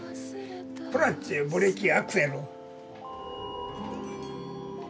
クラッチブレーキアクセル。